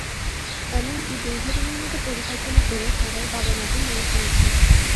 এমনকি দুর্ঘটনার মতো পরিকল্পনা করে সারার বাবা-মা’কে মেরে ফেলেছে।